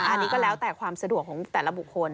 อันนี้ก็แล้วแต่ความสะดวกของแต่ละบุคคล